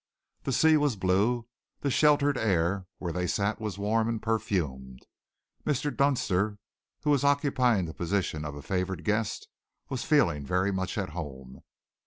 The sea was blue; the sheltered air where they sat was warm and perfumed. Mr. Dunster, who was occupying the position of a favoured guest, was feeling very much at home.